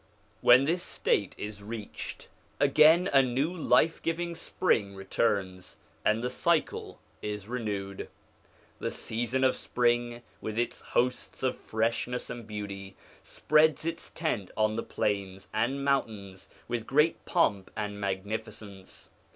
When this state is reached, again a new life giving spring returns, and the cycle is renewed. The season of spring with its hosts of freshness and beauty, spreads its tent on the plains and mountains with great pomp and magnificence.